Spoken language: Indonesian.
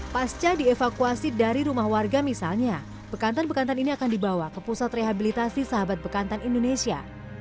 pasca dievakuasi dari rumah warga misalnya bekantan bekantan ini akan dibawa ke pusat rehabilitasi sahabat bekantan indonesia